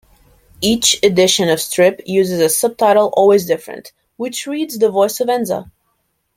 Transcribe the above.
Each edition of Strip uses a subtitle always different, which reads the voice of-enza.